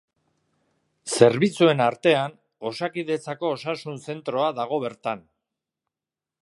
Zerbitzuen artean, Osakidetzako osasun zentroa dago bertan.